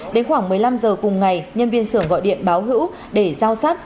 đến khoảng một mươi năm h cùng ngày nhân viên sưởng gọi điện báo hữu để giao sắt